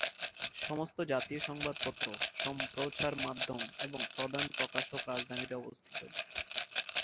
সমস্ত জাতীয় সংবাদপত্র, সম্প্রচার মাধ্যম এবং প্রধান প্রকাশক রাজধানীতে অবস্থিত।